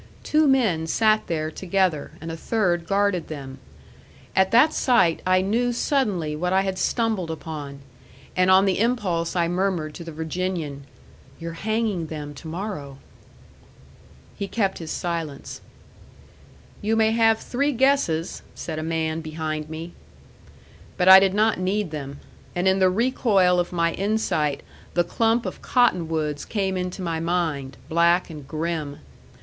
Two men sat there together, and a third guarded them. At that sight I knew suddenly what I had stumbled upon; and on the impulse I murmured to the Virginian, "You're hanging them to morrow." He kept his silence. "You may have three guesses," said a man behind me. But I did not need them. And in the recoil of my insight the clump of cottonwoods came into my mind, black and grim.